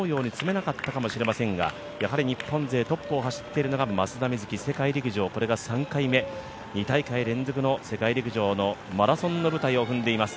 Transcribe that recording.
こうやって練習、思うように積めなかったかもしれませんがやはり日本勢、トップを走っているのが松田瑞生世界陸上これが３回目、２大会連続の世界陸上のマラソンの舞台を踏んでいます。